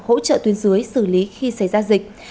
hỗ trợ tuyên dưới xử lý khi xảy ra dịch